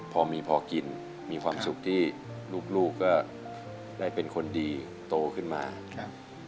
พอมีพอกินมีความสุขที่ลูกก็ได้เป็นคนดีโตขึ้นมาครับ